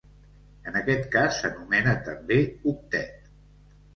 En aquest cas s'anomena també octet.